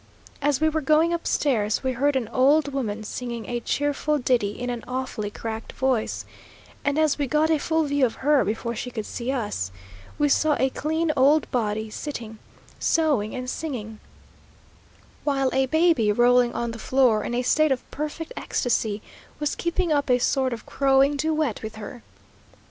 As we were going upstairs, we heard an old woman singing a cheerful ditty in an awfully cracked voice, and as we got a full view of her before she could see us, we saw a clean, old body sitting, sewing and singing, while a baby rolling on the floor in a state of perfect ecstasy, was keeping up a sort of crowing duet with her.